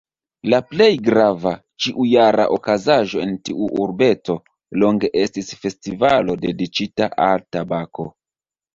La plej grava, ĉiujara okazaĵo en tiu urbeto longe estis festivalo dediĉita al tabako.